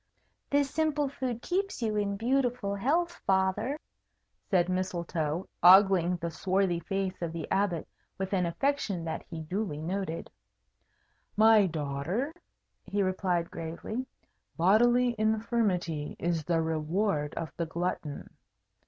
"This simple food keeps you in beautiful health, Father," said Mistletoe, ogling the swarthy face of the Abbot with an affection that he duly noted. "My daughter," he replied, gravely, "bodily infirmity is the reward of the glutton.